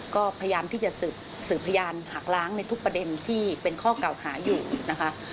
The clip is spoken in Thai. ก็พยายามที่จะสืบพยานหักล้างในทุกประเด็นที่เป็นข้อเก่าหาอยู่นะคะ